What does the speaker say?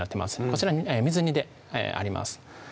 こちら水煮であります